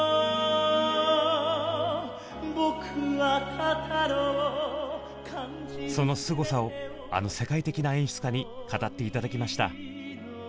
「僕は語ろう」そのすごさをあの世界的な演出家に語って頂きました。